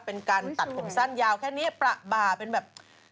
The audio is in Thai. เป็นการตัดผมสั้นยาวแค่นี้ประบ่าเป็นแบบ